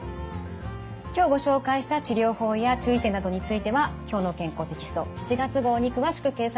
今日ご紹介した治療法や注意点などについては「きょうの健康」テキスト７月号に詳しく掲載されています。